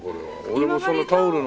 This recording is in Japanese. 俺もそんなタオルの。